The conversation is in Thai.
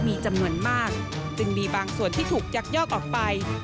มีจำนวนมากจึงมีบางส่วนที่ถูกยักยอกออกไป